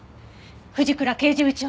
藤倉刑事部長。